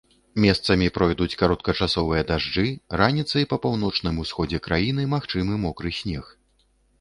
Месцамі пройдуць кароткачасовыя дажджы, раніцай па паўночным усходзе краіны магчымы мокры снег.